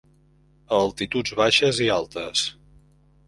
A altituds baixes i altes.